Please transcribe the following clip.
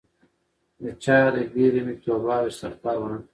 د چا د بیرې مې توبه او استغفار ونه کړ